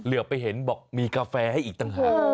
เหลือไปเห็นบอกมีกาแฟให้อีกต่างหาก